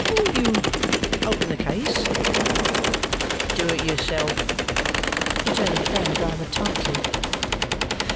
"Will you open the case?" "Do it yourself," returned the friend rather tartly.